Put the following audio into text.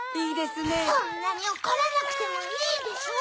そんなにおこらなくてもいいでしょ！